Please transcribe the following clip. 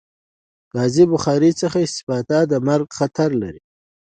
د کازی بخاری څخه استفاده د مرګ خطر لری